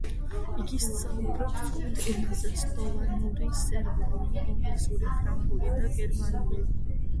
იგი საუბრობს ხუთ ენაზე: სლოვენიური, სერბული, ინგლისური, ფრანგული და გერმანული.